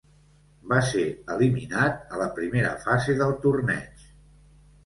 Va ser eliminat a la primera fase del torneig.